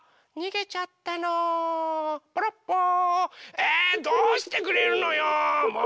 えどうしてくれるのよもう！